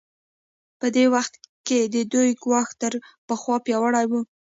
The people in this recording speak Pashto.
په دې وخت کې د دوی ګواښ تر پخوا پیاوړی و.